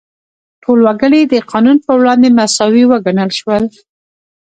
ټول وګړي د قانون په وړاندې مساوي وګڼل شول.